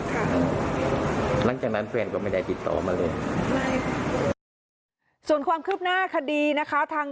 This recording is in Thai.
ตอนนี้กำลังรูปรวมพยานหลักฐานเพื่อยื่นขอหมายจับ